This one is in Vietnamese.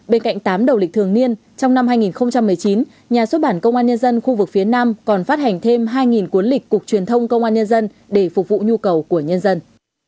bên cạnh tám đầu lịch thường niên trong năm hai nghìn một mươi chín nhà xuất bản công an nhân dân khu vực phía nam còn phát hành thêm hai cuốn lịch cục truyền thông công an nhân dân để phục vụ nhu cầu của nhân dân